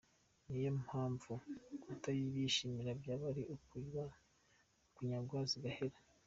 Ni yo mpamvu kutabyishimira byaba ari ukunyagwa zigahera”.